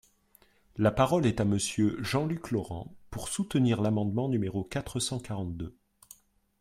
La parole est à Monsieur Jean-Luc Laurent, pour soutenir l’amendement numéro quatre cent quarante-deux.